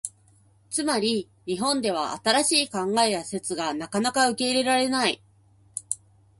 つまり、日本では新しい考えや説がなかなか受け入れられない。